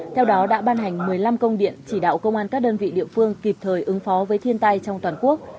theo đó đã ban hành một mươi năm công điện chỉ đạo công an các đơn vị địa phương kịp thời ứng phó với thiên tai trong toàn quốc